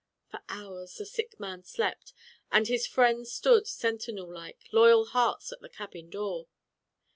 For hours the sick man slept, and his friends stood, sentinel like, loyal hearts at the cabin door.